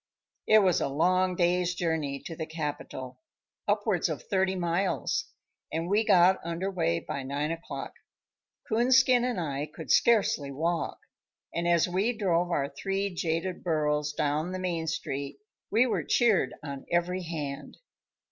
It was a long day's journey to the capital, upwards of thirty miles, and we got under way by nine o'clock. Coonskin and I could scarcely walk, and as we drove our three jaded burros down the main street we were cheered on every hand.